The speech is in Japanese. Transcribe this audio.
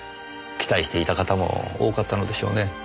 期待していた方も多かったのでしょうね。